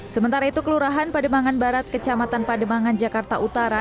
sementara itu kelurahan pademangan barat kecamatan pademangan jakarta utara